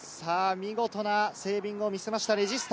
見事なセービングを見せました、レジスタ。